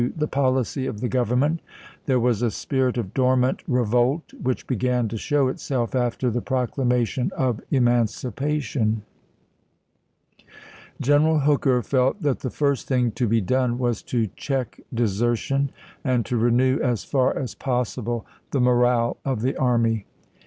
the policy of the Government; there was a spirit of dormant revolt which began to show itself after the Proclamation of Emancipation. General Hooker felt that the first thing to be done was to check desertion and to renew, as far as possible, the morale of the army.